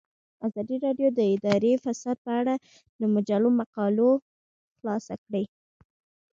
ازادي راډیو د اداري فساد په اړه د مجلو مقالو خلاصه کړې.